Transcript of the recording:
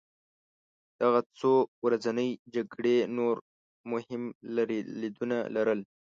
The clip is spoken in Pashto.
دغه څو ورځنۍ جګړې نور مهم لرلېدونه لرل.